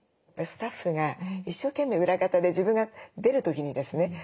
スタッフが一生懸命裏方で自分が出る時にですね